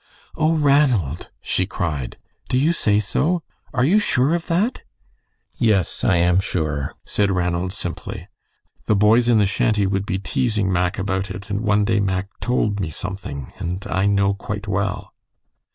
"Oh, Ranald!" she cried, "do you say so? Are you sure of that?" "Yes, I am sure," said Ranald, simply. "The boys in the shanty would be teasing Mack about it, and one day Mack told me something, and I know quite well."